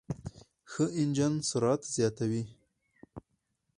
ښه انجن سرعت زیاتوي.